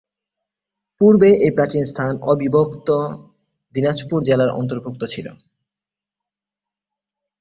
পূর্বে এই প্রাচীন স্থান অবিভক্ত দিনাজপুর জেলার অন্তর্ভুক্ত ছিল।